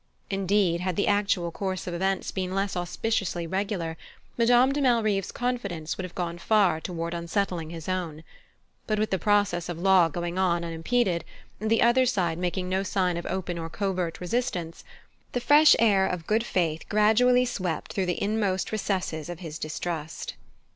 Indeed, had the actual course of events been less auspiciously regular, Madame de Malrive's confidence would have gone far toward unsettling his own; but with the process of law going on unimpeded, and the other side making no sign of open or covert resistance, the fresh air of good faith gradually swept through the inmost recesses of his distrust.